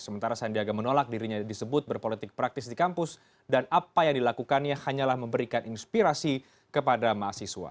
sementara sandiaga menolak dirinya disebut berpolitik praktis di kampus dan apa yang dilakukannya hanyalah memberikan inspirasi kepada mahasiswa